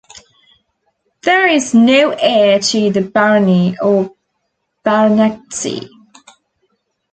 There is no heir to the barony or baronetcy.